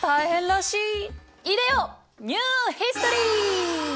いでよニューヒストリー！